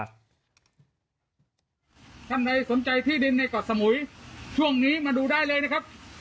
ท่านใดสนใจที่ดินในเกาะสมุยช่วงนี้มาดูได้เลยนะครับ